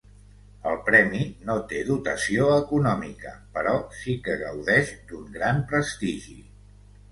El premi no té dotació econòmica, però sí que gaudeix d'un gran prestigi.